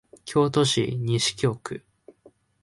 京都市西京区